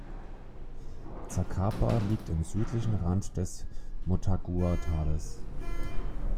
Zacapa liegt am südlichen Rand des Motagua-Tales.